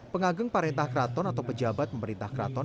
pengageng perempuan kraton atau pejabat pemerintah kraton